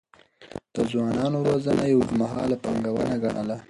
د ځوانانو روزنه يې اوږدمهاله پانګونه ګڼله.